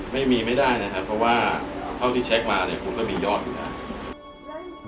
ไม่มีไม่ได้นะครับเพราะว่าเท่าที่เช็คมาคุณก็มียอดอยู่นะครับ